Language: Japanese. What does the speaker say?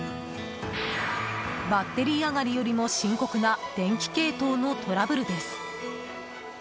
バッテリー上がりよりも深刻な電気系統のトラブルです。